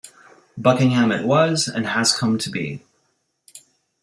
Buckingham it was and has come to be.